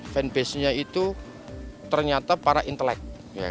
fanbasenya itu ternyata para intelek